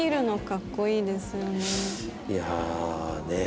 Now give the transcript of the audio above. いやねえ